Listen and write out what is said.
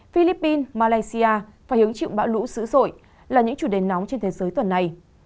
philippines malaysia và hướng trị bão lũ sữ sội là những chủ đề nóng trên thế giới tuần này